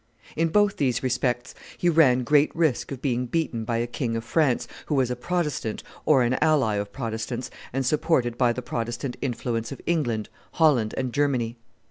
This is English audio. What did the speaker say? In both these respects he ran great risk of being beaten by a King of France who was a Protestant or an ally of Protestants and supported by the Protestant influence of England, Holland, and Germany.